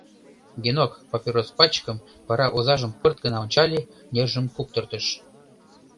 Генок папирос пачкым, вара озажым пырт гына ончале, нержым куптыртыш.